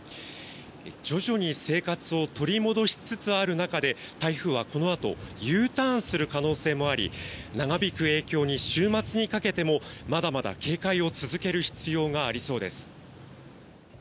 徐々に生活を取り戻しつつある中で台風はこのあとＵターンする可能性もあり長引く影響に週末にかけてもまだまだ警戒を続ける必要がありそうです。